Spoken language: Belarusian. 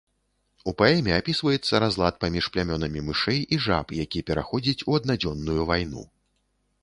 У паэме апісваецца разлад паміж плямёнамі мышэй і жаб, які пераходзіць у аднадзённую вайну.